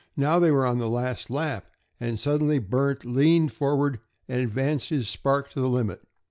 Now they were on the last lap, and suddenly Bert leaned forward and advanced his spark to the limit.